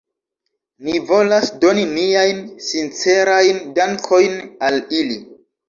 Ni volas doni niajn sincerajn dankojn al ili.